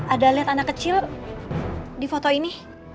ada lihat anak kecil di foto ini